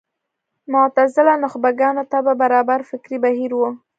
معتزله نخبه ګانو طبع برابر فکري بهیر و